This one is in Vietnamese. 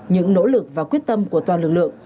những nỗ lực và quyết tâm của toàn lực lượng